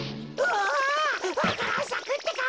わか蘭さくってか？